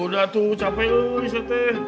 udah tuh capek loh isete